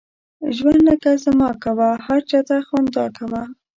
ژوند لکه زما کوه، هر چاته خندا کوه.